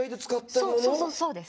そうそうそうです。